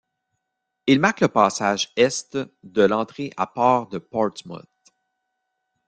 Il marque le passage est de l'entrée à Port de Portsmouth.